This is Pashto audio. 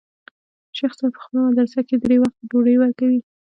شيخ صاحب په خپله مدرسه کښې درې وخته ډوډۍ وركوي.